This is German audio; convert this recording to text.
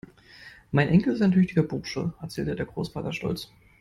Mein Enkel ist ein tüchtiger Bursche, erzählte der Großvater stolz.